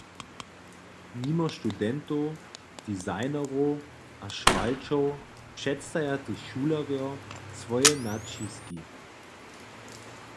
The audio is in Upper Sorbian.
Nimo studentow, designerow a šwalčow předstaja tež šulerjo swoje naćiski.